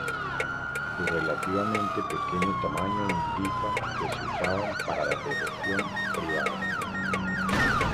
Su relativamente pequeño tamaño indica que se usaban para la devoción privada.